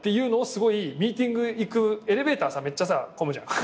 ミーティング行くエレベーターめっちゃ混むじゃん。